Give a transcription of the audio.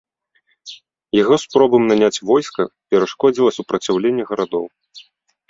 Яго спробам наняць войска перашкодзіла супраціўленне гарадоў.